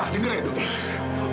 dengar ya dufi